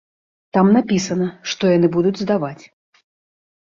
Там напісана, што яны будуць здаваць.